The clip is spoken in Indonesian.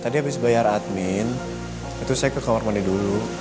tadi habis bayar admin itu saya ke kamar mandi dulu